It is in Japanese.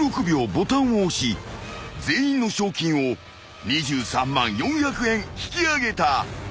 ボタンを押し全員の賞金を２３万４００円引き上げた］